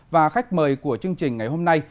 và khách mời của chương trình ngày hôm nay